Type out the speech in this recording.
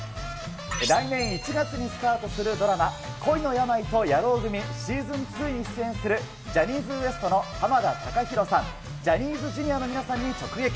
来年１月にスタートするドラマ、恋の病と野郎組シーズン２に出演するジャニーズＷＥＳＴの濱田崇裕さん、ジャニーズＪｒ．の皆さんに直撃。